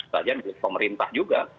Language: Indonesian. saja milik pemerintah juga